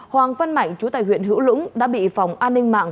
hoàng văn mạnh chú tại huyện hữu lũng đã bị phòng an ninh mạng